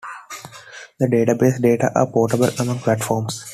The database data are portable among platforms.